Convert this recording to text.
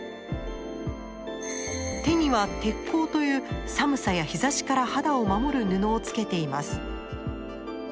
手には手っ甲という寒さや日ざしから肌を守る布をつけています。